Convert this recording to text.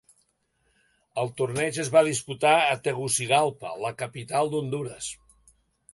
El torneig es va disputar a Tegucigalpa, la capital d'Hondures.